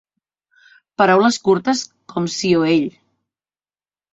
Paraules curtes com si o ell.